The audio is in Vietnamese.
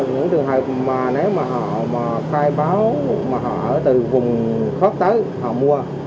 những trường hợp mà nếu mà họ khai báo mà họ ở từ vùng khóp tới họ mua